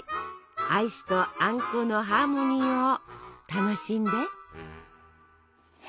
アイスとあんこのハーモニーを楽しんで。